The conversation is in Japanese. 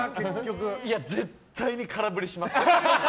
絶対に空振りしますよ。